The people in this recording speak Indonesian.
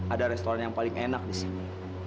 ada restoran yang paling enak disini